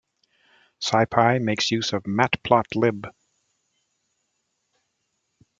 SciPy makes use of matplotlib.